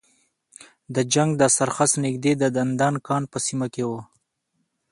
دا جنګ د سرخس نږدې د دندان قان په سیمه کې و.